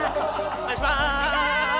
お願いします！